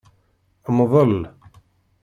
Mḍel.